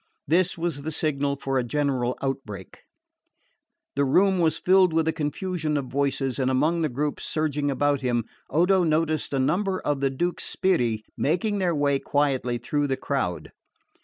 This was the signal for a general outbreak. The room was filled with a confusion of voices, and among the groups surging about him Odo noticed a number of the Duke's sbirri making their way quietly through the crowd.